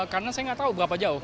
karena saya gak tau berapa jauh